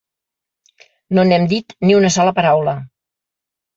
No n’hem dit ni una sola paraula.